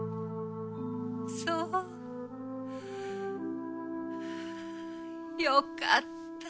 そうよかった。